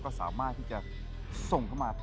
ก็สามารถที่จะส่งเข้ามา